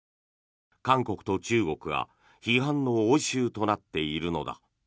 韓国と中国が批判の応酬となっているのだ。